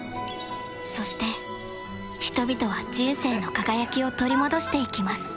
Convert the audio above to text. そして人々は人生の輝きを取り戻していきます